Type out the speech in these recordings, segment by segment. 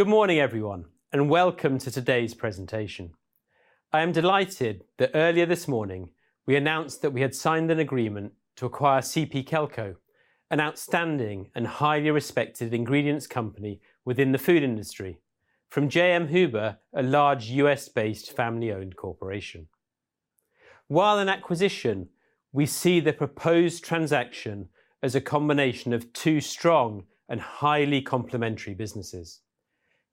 Good morning, everyone, and welcome to today's presentation. I am delighted that earlier this morning we announced that we had signed an agreement to acquire CP Kelco, an outstanding and highly respected ingredients company within the food industry, from J.M. Huber, a large U.S.-based family-owned corporation. While an acquisition, we see the proposed transaction as a combination of two strong and highly complementary businesses: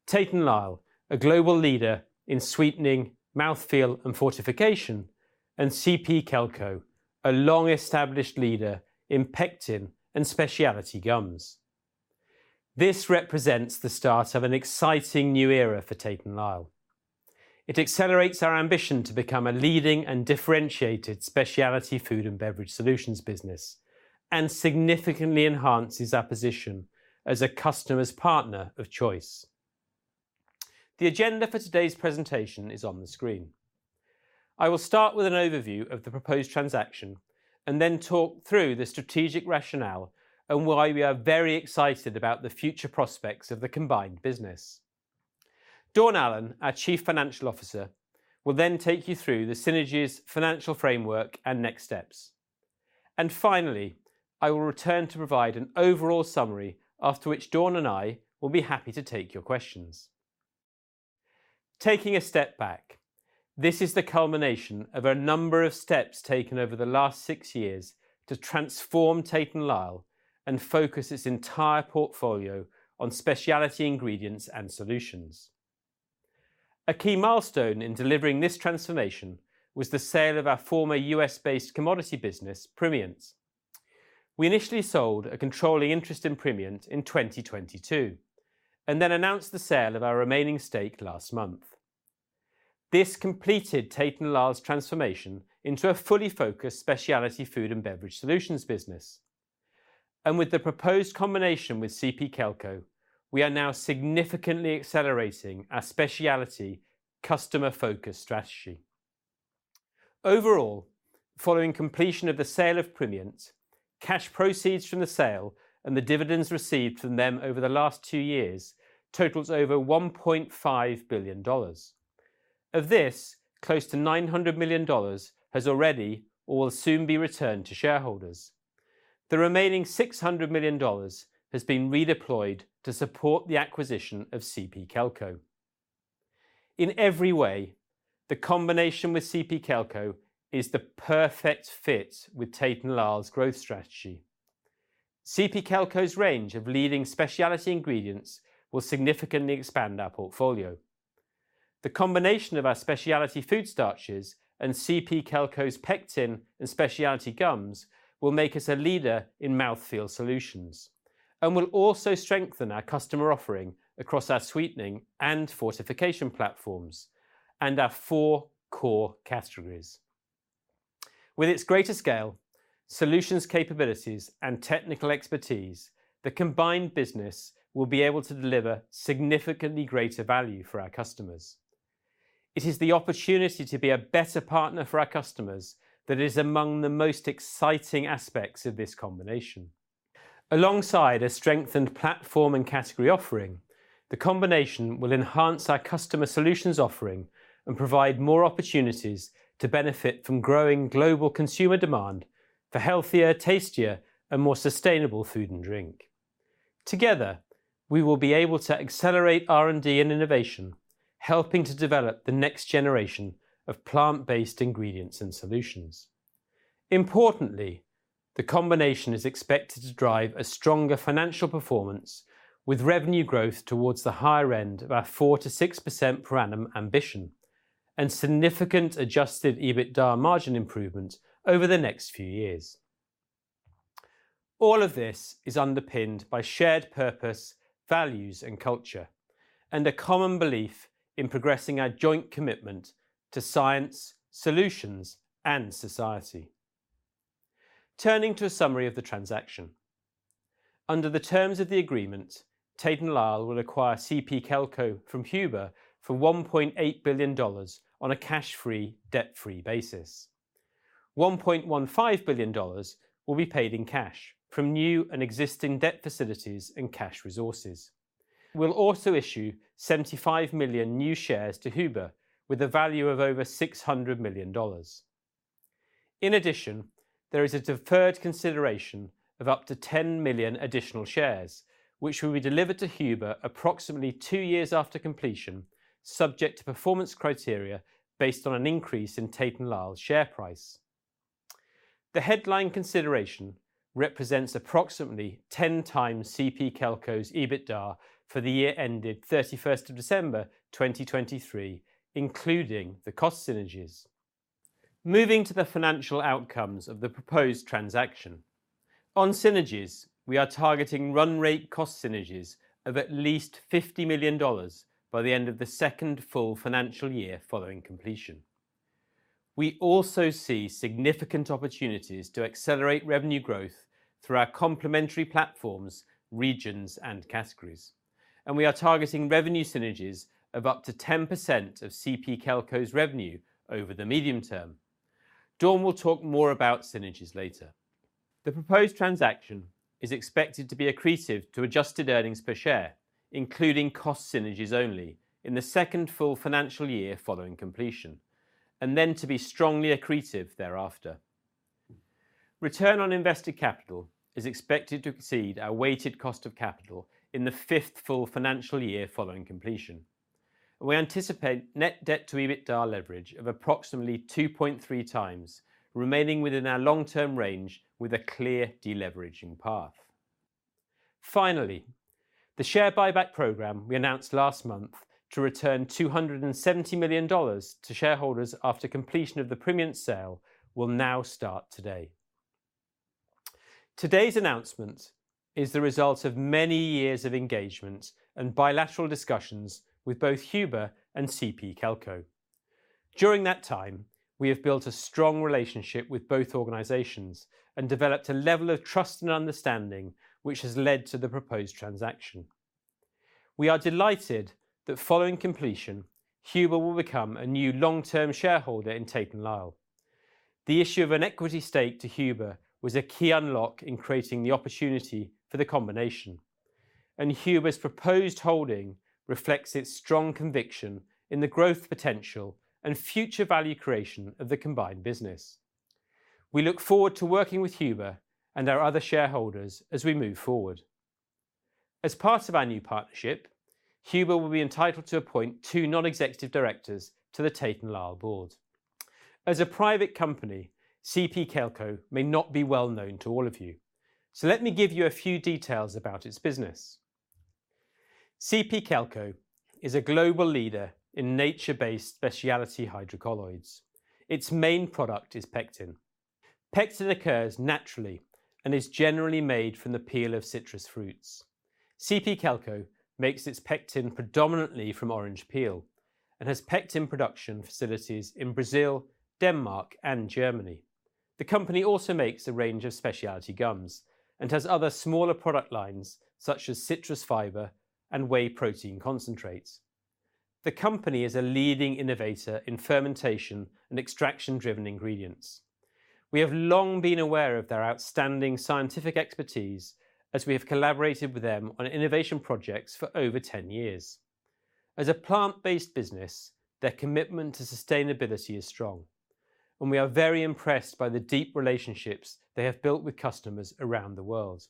Tate & Lyle, a global leader in sweetening, mouthfeel, and fortification, and CP Kelco, a long-established leader in pectin and specialty gums. This represents the start of an exciting new era for Tate & Lyle. It accelerates our ambition to become a leading and differentiated specialty food and beverage solutions business and significantly enhances our position as a customer's partner of choice. The agenda for today's presentation is on the screen. I will start with an overview of the proposed transaction and then talk through the strategic rationale and why we are very excited about the future prospects of the combined business. Dawn Allen, our Chief Financial Officer, will then take you through the synergies financial framework and next steps. And finally, I will return to provide an overall summary, after which Dawn and I will be happy to take your questions. Taking a step back, this is the culmination of a number of steps taken over the last six years to transform Tate & Lyle and focus its entire portfolio on specialty ingredients and solutions. A key milestone in delivering this transformation was the sale of our former U.S.-based commodity business, Primient. We initially sold a controlling interest in Primient in 2022 and then announced the sale of our remaining stake last month. This completed Tate & Lyle's transformation into a fully focused specialty food and beverage solutions business. With the proposed combination with CP Kelco, we are now significantly accelerating our specialty customer-focused strategy. Overall, following completion of the sale of Primient, cash proceeds from the sale and the dividends received from them over the last two years totals over $1.5 billion. Of this, close to $900 million has already or will soon be returned to shareholders. The remaining $600 million has been redeployed to support the acquisition of CP Kelco. In every way, the combination with CP Kelco is the perfect fit with Tate & Lyle's growth strategy. CP Kelco's range of leading specialty ingredients will significantly expand our portfolio. The combination of our specialty food starches and CP Kelco's pectin and specialty gums will make us a leader in mouthfeel solutions and will also strengthen our customer offering across our sweetening and fortification platforms and our four core categories. With its greater scale, solutions capabilities, and technical expertise, the combined business will be able to deliver significantly greater value for our customers. It is the opportunity to be a better partner for our customers that is among the most exciting aspects of this combination. Alongside a strengthened platform and category offering, the combination will enhance our customer solutions offering and provide more opportunities to benefit from growing global consumer demand for healthier, tastier, and more sustainable food and drink. Together, we will be able to accelerate R&D and innovation, helping to develop the next generation of plant-based ingredients and solutions. Importantly, the combination is expected to drive a stronger financial performance with revenue growth towards the higher end of our 4%-6% per annum ambition and significant adjusted EBITDA margin improvement over the next few years. All of this is underpinned by shared purpose, values, and culture, and a common belief in progressing our joint commitment to science, solutions, and society. Turning to a summary of the transaction. Under the terms of the agreement, Tate & Lyle will acquire CP Kelco from Huber for $1.8 billion on a cash-free, debt-free basis. $1.15 billion will be paid in cash from new and existing debt facilities and cash resources. We'll also issue 75 million new shares to Huber with a value of over $600 million. In addition, there is a deferred consideration of up to 10 million additional shares, which will be delivered to Huber approximately two years after completion, subject to performance criteria based on an increase in Tate & Lyle's share price. The headline consideration represents approximately 10x CP Kelco's EBITDA for the year ended 31st of December 2023, including the cost synergies. Moving to the financial outcomes of the proposed transaction. On synergies, we are targeting run rate cost synergies of at least $50 million by the end of the second full financial year following completion. We also see significant opportunities to accelerate revenue growth through our complementary platforms, regions, and categories. We are targeting revenue synergies of up to 10% of CP Kelco's revenue over the medium term. Dawn will talk more about synergies later. The proposed transaction is expected to be accretive to adjusted earnings per share, including cost synergies only in the second full financial year following completion, and then to be strongly accretive thereafter. Return on invested capital is expected to exceed our weighted cost of capital in the fifth full financial year following completion. We anticipate net debt to EBITDA leverage of approximately 2.3 times, remaining within our long-term range with a clear deleveraging path. Finally, the share buyback program we announced last month to return $270 million to shareholders after completion of the Primient sale will now start today. Today's announcement is the result of many years of engagement and bilateral discussions with both Huber and CP Kelco. During that time, we have built a strong relationship with both organizations and developed a level of trust and understanding which has led to the proposed transaction. We are delighted that following completion, Huber will become a new long-term shareholder in Tate & Lyle. The issue of an equity stake to Huber was a key unlock in creating the opportunity for the combination. Huber's proposed holding reflects its strong conviction in the growth potential and future value creation of the combined business. We look forward to working with Huber and our other shareholders as we move forward. As part of our new partnership, Huber will be entitled to appoint two non-executive directors to the Tate & Lyle board. As a private company, CP Kelco may not be well known to all of you. So let me give you a few details about its business. CP Kelco is a global leader in nature-based specialty hydrocolloids. Its main product is pectin. Pectin occurs naturally and is generally made from the peel of citrus fruits. CP Kelco makes its pectin predominantly from orange peel and has pectin production facilities in Brazil, Denmark, and Germany. The company also makes a range of specialty gums and has other smaller product lines such as citrus fiber and whey protein concentrates. The company is a leading innovator in fermentation and extraction-driven ingredients. We have long been aware of their outstanding scientific expertise as we have collaborated with them on innovation projects for over 10 years. As a plant-based business, their commitment to sustainability is strong, and we are very impressed by the deep relationships they have built with customers around the world.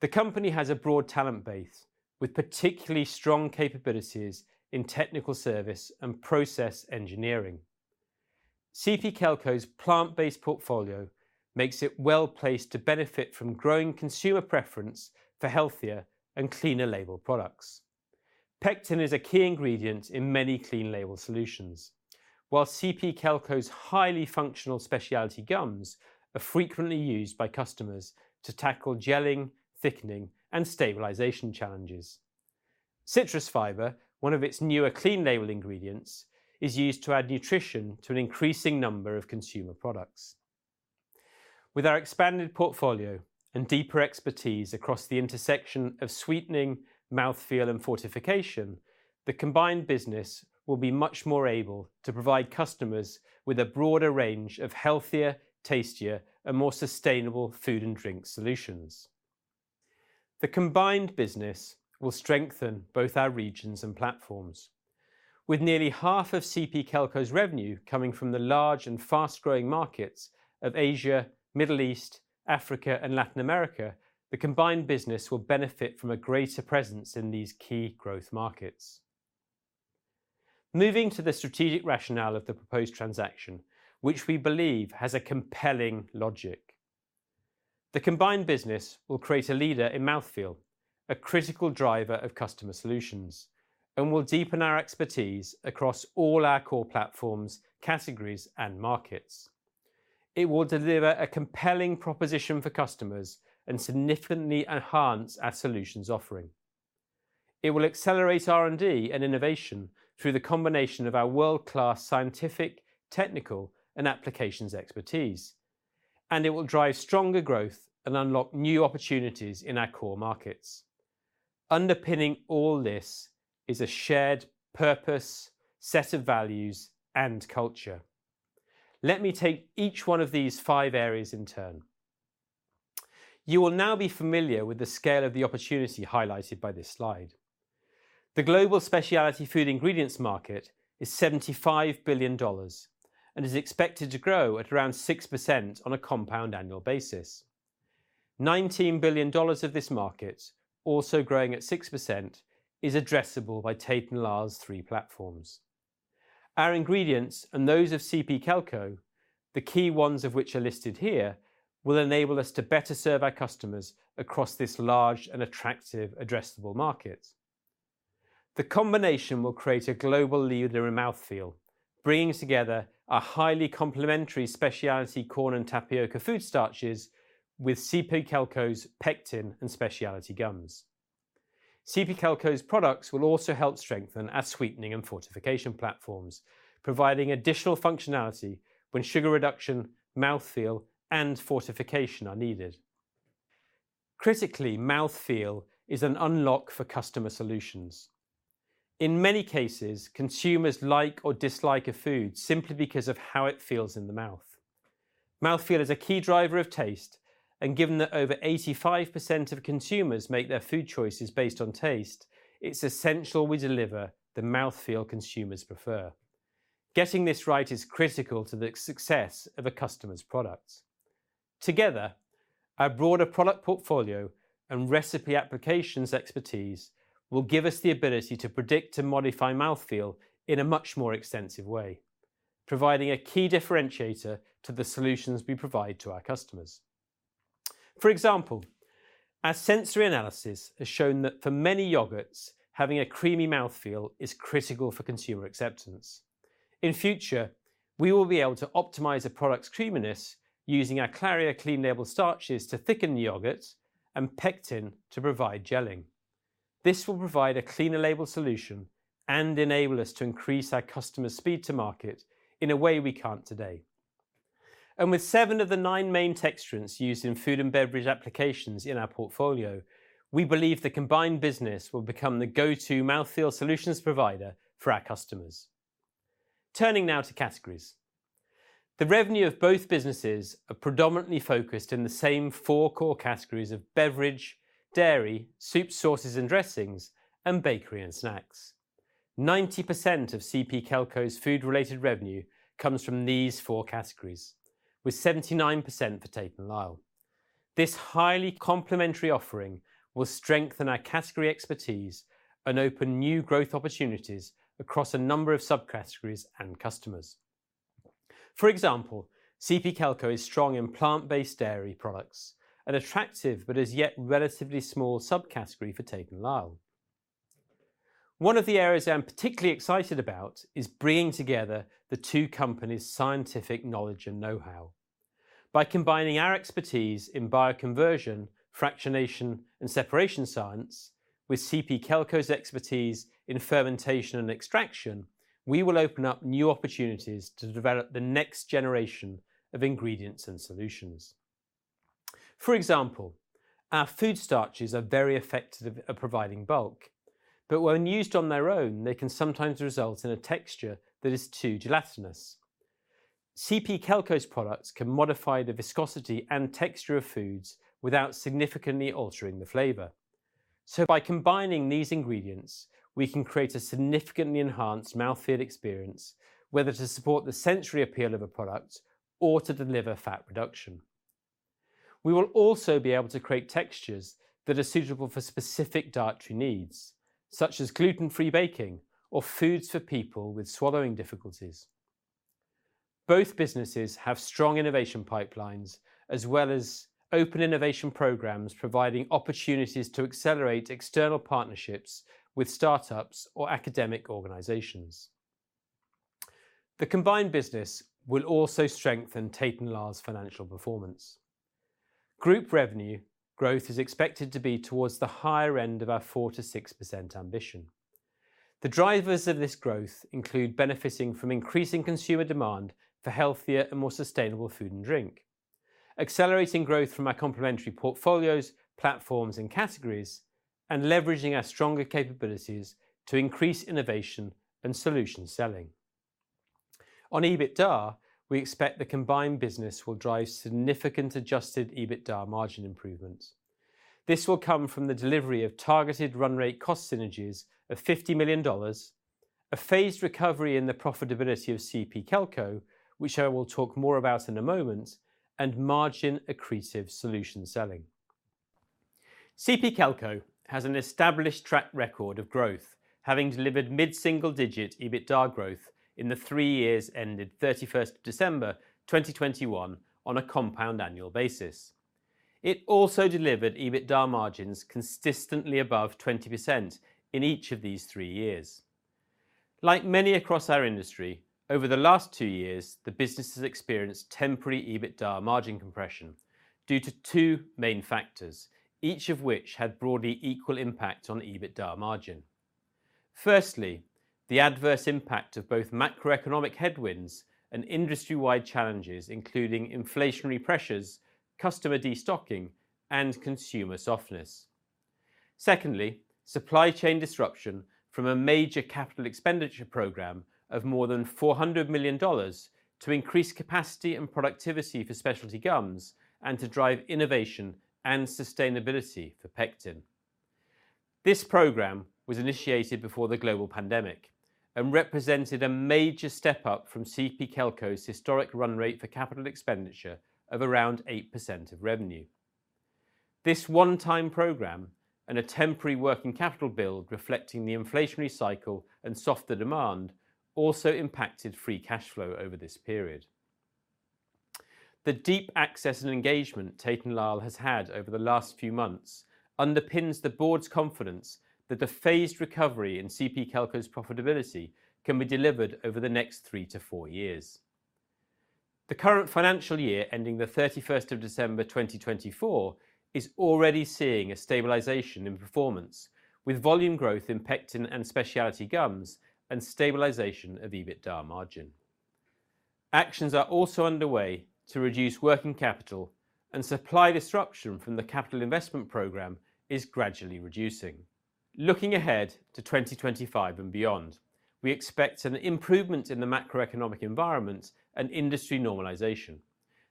The company has a broad talent base with particularly strong capabilities in technical service and process engineering. CP Kelco's plant-based portfolio makes it well placed to benefit from growing consumer preference for healthier and clean label products. Pectin is a key ingredient in many clean label solutions, while CP Kelco's highly functional specialty gums are frequently used by customers to tackle gelling, thickening, and stabilization challenges. Citrus fiber, one of its newer clean label ingredients, is used to add nutrition to an increasing number of consumer products. With our expanded portfolio and deeper expertise across the intersection of sweetening, mouthfeel, and fortification, the combined business will be much more able to provide customers with a broader range of healthier, tastier, and more sustainable food and drink solutions. The combined business will strengthen both our regions and platforms. With nearly half of CP Kelco's revenue coming from the large and fast-growing markets of Asia, the Middle East, Africa, and Latin America, the combined business will benefit from a greater presence in these key growth markets. Moving to the strategic rationale of the proposed transaction, which we believe has a compelling logic. The combined business will create a leader in mouthfeel, a critical driver of customer solutions, and will deepen our expertise across all our core platforms, categories, and markets. It will deliver a compelling proposition for customers and significantly enhance our solutions offering. It will accelerate R&D and innovation through the combination of our world-class scientific, technical, and applications expertise. And it will drive stronger growth and unlock new opportunities in our core markets. Underpinning all this is a shared purpose, set of values, and culture. Let me take each one of these five areas in turn. You will now be familiar with the scale of the opportunity highlighted by this slide. The global specialty food ingredients market is $75 billion and is expected to grow at around 6% on a compound annual basis. $19 billion of this market, also growing at 6%, is addressable by Tate & Lyle's three platforms. Our ingredients and those of CP Kelco, the key ones of which are listed here, will enable us to better serve our customers across this large and attractive addressable market. The combination will create a global leader in mouthfeel, bringing together our highly complementary specialty corn and tapioca food starches with CP Kelco's pectin and specialty gums. CP Kelco's products will also help strengthen our sweetening and fortification platforms, providing additional functionality when sugar reduction, mouthfeel, and fortification are needed. Critically, mouthfeel is an unlock for customer solutions. In many cases, consumers like or dislike a food simply because of how it feels in the mouth. Mouthfeel is a key driver of taste, and given that over 85% of consumers make their food choices based on taste, it's essential we deliver the mouthfeel consumers prefer. Getting this right is critical to the success of a customer's products. Together, our broader product portfolio and recipe applications expertise will give us the ability to predict and modify mouthfeel in a much more extensive way, providing a key differentiator to the solutions we provide to our customers. For example, our sensory analysis has shown that for many yogurts, having a creamy mouthfeel is critical for consumer acceptance. In future, we will be able to optimize a product's creaminess using our Claria clean label starches to thicken the yogurt and pectin to provide gelling. This will provide a cleaner label solution and enable us to increase our customer speed to market in a way we can't today. With seven of the nine main texturants used in food and beverage applications in our portfolio, we believe the combined business will become the go-to mouthfeel solutions provider for our customers. Turning now to categories. The revenue of both businesses are predominantly focused in the same four core categories of beverage, dairy, soups, sauces, and dressings, and bakery and snacks. 90% of CP Kelco's food-related revenue comes from these four categories, with 79% for Tate & Lyle. This highly complementary offering will strengthen our category expertise and open new growth opportunities across a number of subcategories and customers. For example, CP Kelco is strong in plant-based dairy products, an attractive but as yet relatively small subcategory for Tate & Lyle. One of the areas I'm particularly excited about is bringing together the two companies' scientific knowledge and know-how. By combining our expertise in bioconversion, fractionation, and separation science with CP Kelco's expertise in fermentation and extraction, we will open up new opportunities to develop the next generation of ingredients and solutions. For example, our food starches are very effective at providing bulk, but when used on their own, they can sometimes result in a texture that is too gelatinous. CP Kelco's products can modify the viscosity and texture of foods without significantly altering the flavor. So by combining these ingredients, we can create a significantly enhanced mouthfeel experience, whether to support the sensory appeal of a product or to deliver fat reduction. We will also be able to create textures that are suitable for specific dietary needs, such as gluten-free baking or foods for people with swallowing difficulties. Both businesses have strong innovation pipelines as well as open innovation programs providing opportunities to accelerate external partnerships with startups or academic organizations. The combined business will also strengthen Tate & Lyle's financial performance. Group revenue growth is expected to be towards the higher end of our 4%-6% ambition. The drivers of this growth include benefiting from increasing consumer demand for healthier and more sustainable food and drink, accelerating growth from our complementary portfolios, platforms, and categories, and leveraging our stronger capabilities to increase innovation and solution selling. On EBITDA, we expect the combined business will drive significant adjusted EBITDA margin improvements. This will come from the delivery of targeted run rate cost synergies of $50 million, a phased recovery in the profitability of CP Kelco, which I will talk more about in a moment, and margin accretive solution selling. CP Kelco has an established track record of growth, having delivered mid-single-digit EBITDA growth in the three years ended 31st December 2021 on a compound annual basis. It also delivered EBITDA margins consistently above 20% in each of these three years. Like many across our industry, over the last two years, the business has experienced temporary EBITDA margin compression due to two main factors, each of which had broadly equal impact on EBITDA margin. Firstly, the adverse impact of both macroeconomic headwinds and industry-wide challenges, including inflationary pressures, customer destocking, and consumer softness. Secondly, supply chain disruption from a major capital expenditure program of more than $400 million to increase capacity and productivity for specialty gums and to drive innovation and sustainability for pectin. This program was initiated before the global pandemic and represented a major step up from CP Kelco's historic run rate for capital expenditure of around 8% of revenue. This one-time program and a temporary working capital build reflecting the inflationary cycle and softer demand also impacted free cash flow over this period. The deep access and engagement Tate & Lyle has had over the last few months underpins the board's confidence that the phased recovery in CP Kelco's profitability can be delivered over the next three to four years. The current financial year ending the 31st of December 2024 is already seeing a stabilization in performance, with volume growth in pectin and specialty gums and stabilization of EBITDA margin. Actions are also underway to reduce working capital, and supply disruption from the capital investment program is gradually reducing. Looking ahead to 2025 and beyond, we expect an improvement in the macroeconomic environment and industry normalization,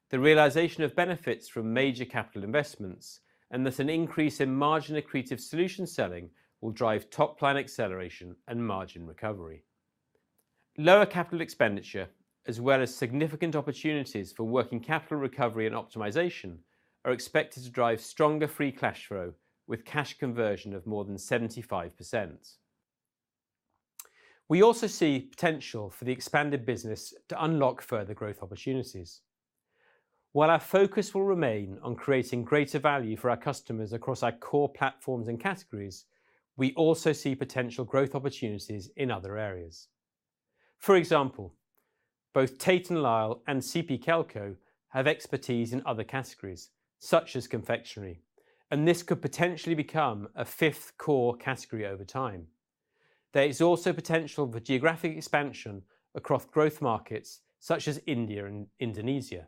the realization of benefits from major capital investments, and that an increase in margin accretive solution selling will drive top-line acceleration and margin recovery. Lower capital expenditure, as well as significant opportunities for working capital recovery and optimization, are expected to drive stronger free cash flow with cash conversion of more than 75%. We also see potential for the expanded business to unlock further growth opportunities. While our focus will remain on creating greater value for our customers across our core platforms and categories, we also see potential growth opportunities in other areas. For example, both Tate & Lyle and CP Kelco have expertise in other categories, such as confectionery, and this could potentially become a fifth core category over time. There is also potential for geographic expansion across growth markets, such as India and Indonesia.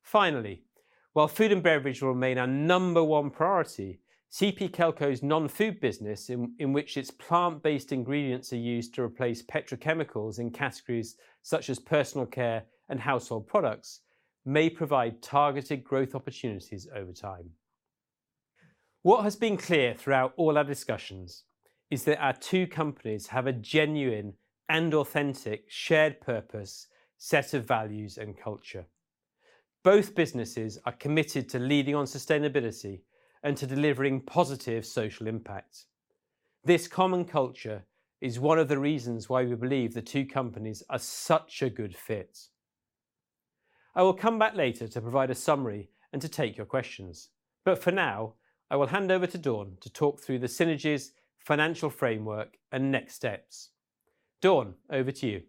Finally, while food and beverage will remain our number one priority, CP Kelco's non-food business, in which its plant-based ingredients are used to replace petrochemicals in categories such as personal care and household products, may provide targeted growth opportunities over time. What has been clear throughout all our discussions is that our two companies have a genuine and authentic shared purpose, set of values, and culture. Both businesses are committed to leading on sustainability and to delivering positive social impact. This common culture is one of the reasons why we believe the two companies are such a good fit. I will come back later to provide a summary and to take your questions. But for now, I will hand over to Dawn to talk through the synergies, financial framework, and next steps. Dawn, over to you.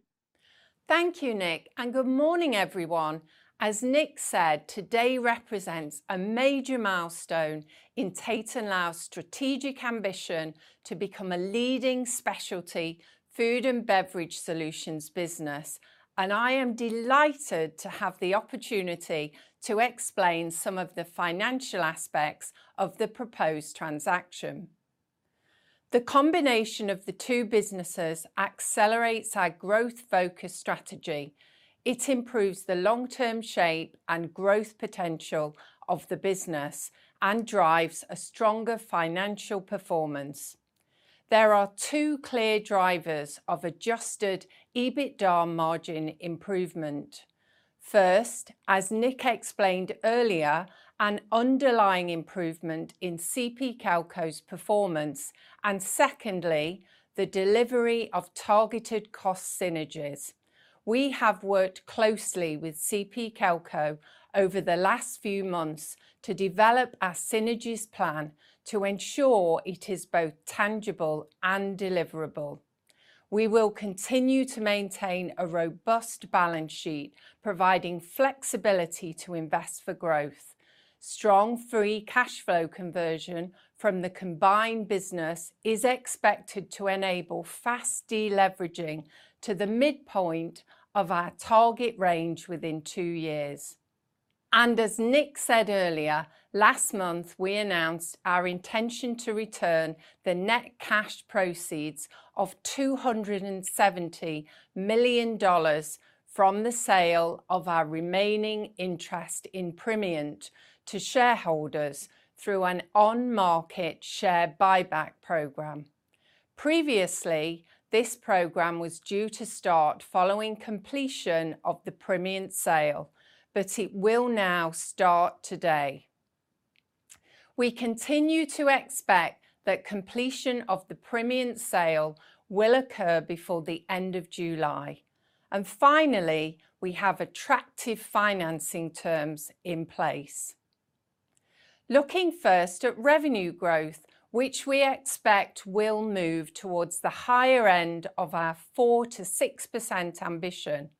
Thank you, Nick. Good morning, everyone. As Nick said, today represents a major milestone in Tate & Lyle's strategic ambition to become a leading specialty food and beverage solutions business. I am delighted to have the opportunity to explain some of the financial aspects of the proposed transaction. The combination of the two businesses accelerates our growth-focused strategy. It improves the long-term shape and growth potential of the business and drives a stronger financial performance. There are two clear drivers of adjusted EBITDA margin improvement. First, as Nick explained earlier, an underlying improvement in CP Kelco's performance, and secondly, the delivery of targeted cost synergies. We have worked closely with CP Kelco over the last few months to develop our synergies plan to ensure it is both tangible and deliverable. We will continue to maintain a robust balance sheet, providing flexibility to invest for growth. Strong free cash flow conversion from the combined business is expected to enable fast deleveraging to the midpoint of our target range within two years. As Nick said earlier, last month, we announced our intention to return the net cash proceeds of $270 million from the sale of our remaining interest in Primient to shareholders through an on-market share buyback program. Previously, this program was due to start following completion of the Primient sale, but it will now start today. We continue to expect that completion of the Primient sale will occur before the end of July. Finally, we have attractive financing terms in place. Looking first at revenue growth, which we expect will move towards the higher end of our 4%-6% ambition.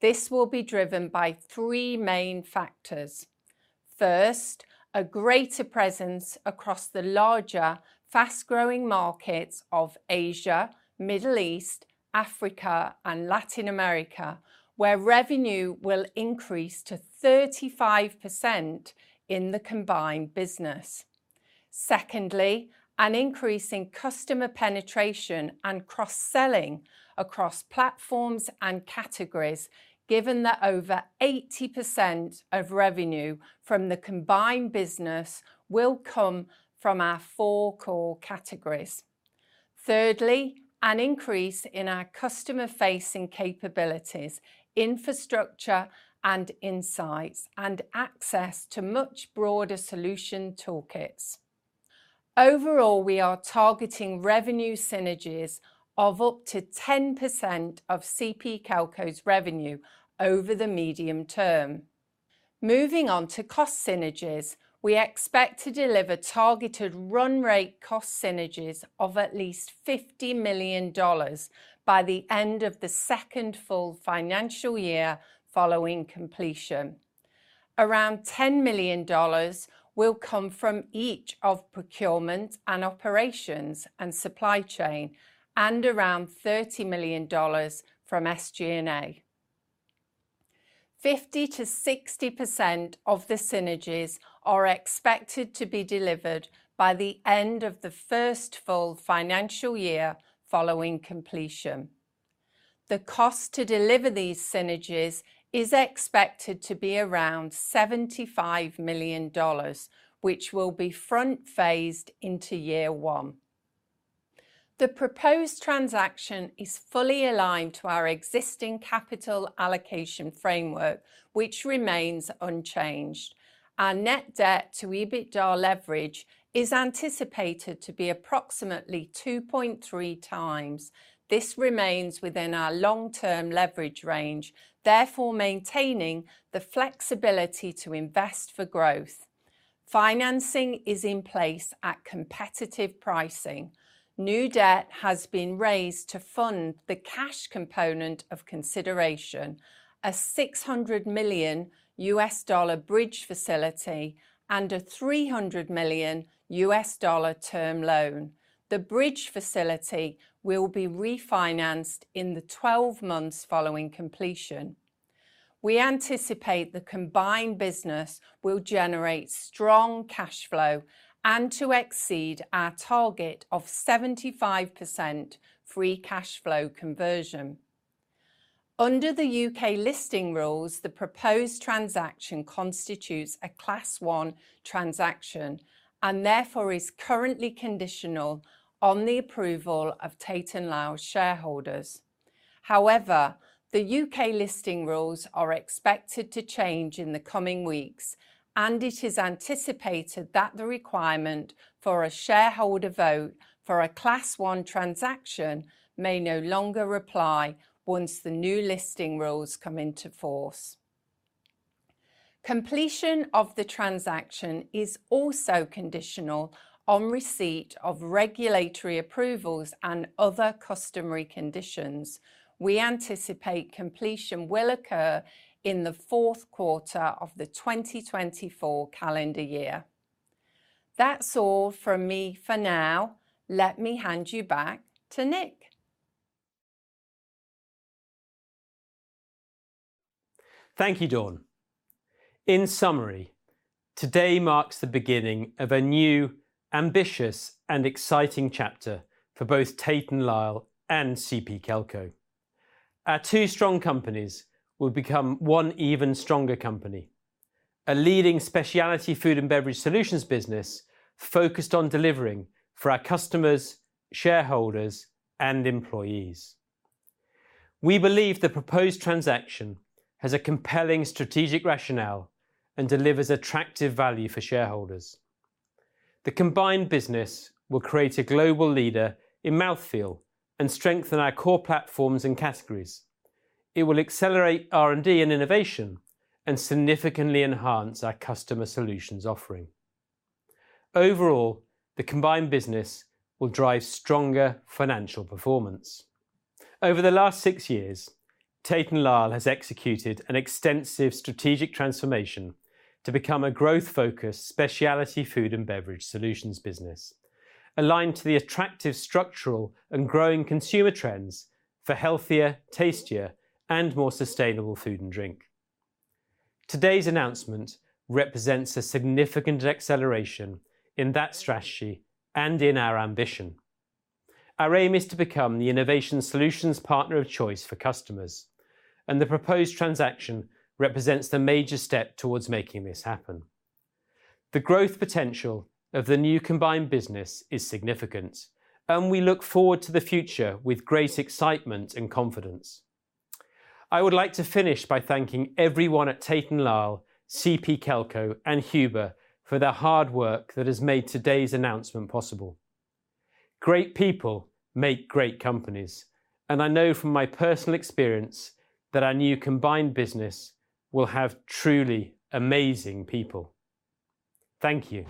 This will be driven by three main factors. First, a greater presence across the larger fast-growing markets of Asia, Middle East, Africa, and Latin America, where revenue will increase to 35% in the combined business. Secondly, an increase in customer penetration and cross-selling across platforms and categories, given that over 80% of revenue from the combined business will come from our four core categories. Thirdly, an increase in our customer-facing capabilities, infrastructure and insights, and access to much broader solution toolkits. Overall, we are targeting revenue synergies of up to 10% of CP Kelco's revenue over the medium term. Moving on to cost synergies, we expect to deliver targeted run rate cost synergies of at least $50 million by the end of the second full financial year following completion. Around $10 million will come from each of procurement and operations and supply chain, and around $30 million from SG&A. 50%-60% of the synergies are expected to be delivered by the end of the first full financial year following completion. The cost to deliver these synergies is expected to be around $75 million, which will be front-faced into year one. The proposed transaction is fully aligned to our existing capital allocation framework, which remains unchanged. Our net debt to EBITDA leverage is anticipated to be approximately 2.3 times. This remains within our long-term leverage range, therefore maintaining the flexibility to invest for growth. Financing is in place at competitive pricing. New debt has been raised to fund the cash component of consideration, a $600 million bridge facility, and a $300 million term loan. The bridge facility will be refinanced in the 12 months following completion. We anticipate the combined business will generate strong cash flow and to exceed our target of 75% free cash flow conversion. Under the U.K. listing rules, the proposed transaction constitutes a Class 1 transaction and therefore is currently conditional on the approval of Tate & Lyle shareholders. However, the U.K. listing rules are expected to change in the coming weeks, and it is anticipated that the requirement for a shareholder vote for a Class 1 transaction may no longer apply once the new listing rules come into force. Completion of the transaction is also conditional on receipt of regulatory approvals and other customary conditions. We anticipate completion will occur in the fourth quarter of the 2024 calendar year. That's all from me for now. Let me hand you back to Nick. Thank you, Dawn. In summary, today marks the beginning of a new, ambitious, and exciting chapter for both Tate & Lyle and CP Kelco. Our two strong companies will become one even stronger company: a leading specialty food and beverage solutions business focused on delivering for our customers, shareholders, and employees. We believe the proposed transaction has a compelling strategic rationale and delivers attractive value for shareholders. The combined business will create a global leader in mouthfeel and strengthen our core platforms and categories. It will accelerate R&D and innovation and significantly enhance our customer solutions offering. Overall, the combined business will drive stronger financial performance. Over the last six years, Tate & Lyle has executed an extensive strategic transformation to become a growth-focused specialty food and beverage solutions business, aligned to the attractive structural and growing consumer trends for healthier, tastier, and more sustainable food and drink. Today's announcement represents a significant acceleration in that strategy and in our ambition. Our aim is to become the innovation solutions partner of choice for customers, and the proposed transaction represents the major step towards making this happen. The growth potential of the new combined business is significant, and we look forward to the future with great excitement and confidence. I would like to finish by thanking everyone at Tate & Lyle, CP Kelco, and Huber for the hard work that has made today's announcement possible. Great people make great companies, and I know from my personal experience that our new combined business will have truly amazing people. Thank you.